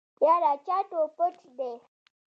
يره چټ و پټ دی.